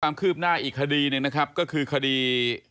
ความคืบหน้าอีกคดีหนึ่งนะครับก็คือคดี